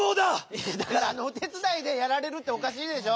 いやだからおてつだいで「やられる」っておかしいでしょ？